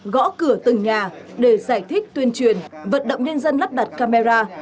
gõ cửa từng nhà để giải thích tuyên truyền vận động nhân dân lắp đặt camera